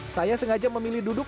saya sengaja memilih duduk